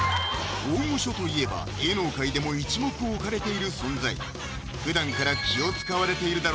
大御所といえば芸能界でも一目置かれている存在